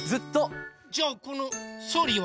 じゃあこのソリは？